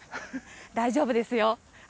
大丈夫ですよ。